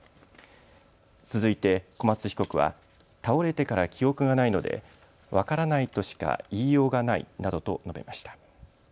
続いて小松被告は倒れてから記憶がないので分からないとしか言いようがないなどと述べました。